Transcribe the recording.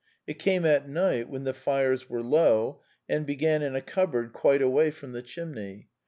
It came at night when the fires were low, and began in a cupboard quite away from the chimney.